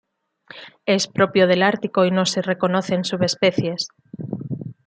Es propio del Ártico y no se reconocen subespecies.